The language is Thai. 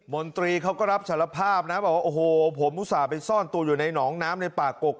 นตรีเขาก็รับสารภาพนะบอกว่าโอ้โหผมอุตส่าห์ไปซ่อนตัวอยู่ในหนองน้ำในป่ากก